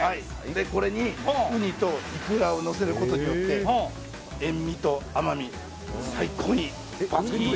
これにウニとイクラをのせることによって塩みと甘み、最高に。